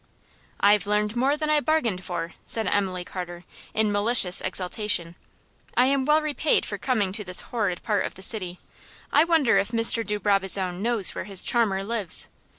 "I've learned more than I bargained for," said Emily Carter, in malicious exultation. "I am well repaid for coming to this horrid part of the city. I wonder if Mr. de Brabazon knows where his charmer lives?